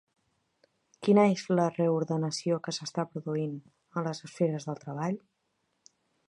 Quina és la reordenació que s’està produint en les esferes del treball?